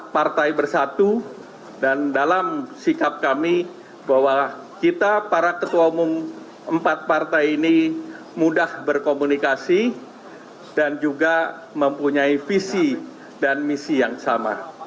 partai bersatu dan dalam sikap kami bahwa kita para ketua umum empat partai ini mudah berkomunikasi dan juga mempunyai visi dan misi yang sama